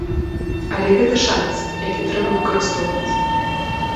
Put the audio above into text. Але гэта шанец, які трэба выкарыстоўваць.